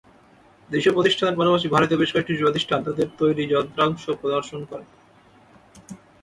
দেশীয় প্রতিষ্ঠানের পাশাপাশি ভারতীয় বেশ কয়েকটি প্রতিষ্ঠান তাদের তৈরি যন্ত্রাংশ প্রদর্শন করে।